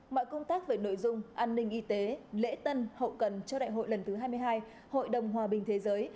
mọi công tác về nội dung an ninh y tế lễ tân hậu cần cho đại hội lần thứ hai mươi hai hội đồng hòa bình thế giới